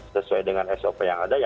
sesuai dengan sop yang ada